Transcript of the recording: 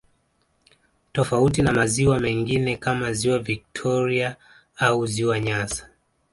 Tofauti na maziwa mengine kama ziwa victoria au ziwa nyasa